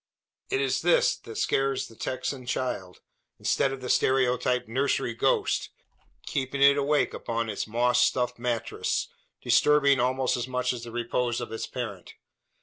It is this that scares the Texan child instead of the stereotyped nursery ghost, keeping it awake upon its moss stuffed mattress disturbing almost as much the repose of its parent.